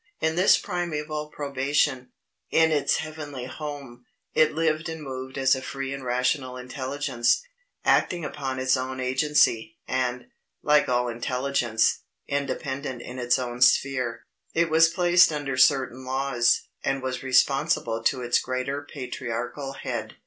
In this primeval probation, in its heavenly home, it lived and moved as a free and rational intelligence, acting upon its own agency, and, like all intelligence, independent in its own sphere. It was placed under certain laws, and was responsible to its great Patriarchal Head.